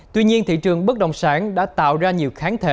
tuy nhiên thị trường bất động sản đã tạo ra nhiều kháng thể